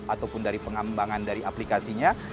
ataupun dari pengambangan dari aplikasinya